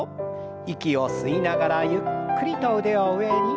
息を吸いながらゆっくりと腕を上に。